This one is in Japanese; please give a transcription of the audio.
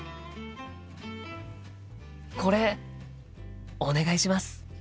これお願いします。